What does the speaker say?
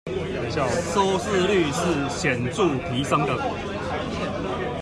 收視率是顯著提升的